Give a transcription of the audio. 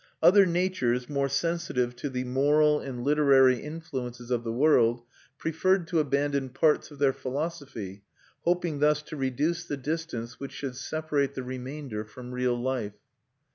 Other natures, more sensitive to the moral and literary influences of the world, preferred to abandon parts of their philosophy, hoping thus to reduce the distance which should separate the remainder from real life.